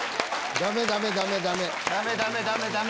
ダメダメダメダメ。